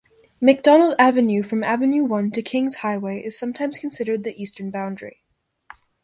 McDonald Avenue from Avenue I to Kings Highway is sometimes considered the eastern boundary.